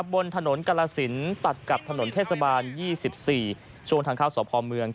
บนถนนกราศิลป์ตัดกับถนนเทศบาล๒๔ช่วงทางข้าวสพ